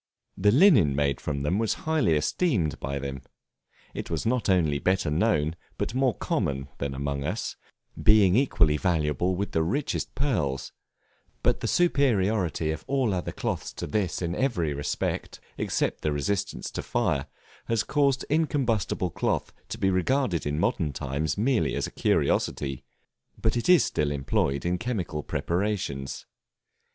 The linen made from it was highly esteemed by them; it was not only better known, but more common, than among us, being equally valuable with the richest pearls; but the superiority of all other cloths to this in every respect, except the resistance to fire, has caused incombustible cloth to be regarded in modern times merely as a curiosity, but it is still employed in chemical preparations.